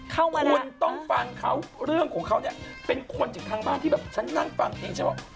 คุณต้องฟังเขาเรื่องของเขาเนี่ยเป็นคนจากทางบ้านที่แบบฉันนั่งฟังเองฉันว่า